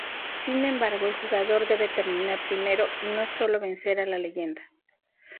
Sin embargo, el jugador debe terminar primero, y no solo vencer a la leyenda.